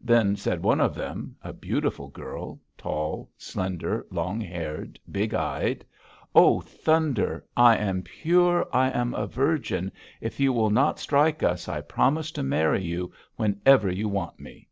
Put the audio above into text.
Then said one of them, a beautiful girl, tall, slender, long haired, big eyed, 'O Thunder! I am pure! I am a virgin! If you will not strike us I promise to marry you whenever you want me!'